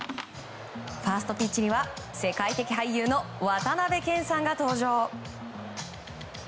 ファーストピッチには世界的俳優の渡辺謙さんが登場。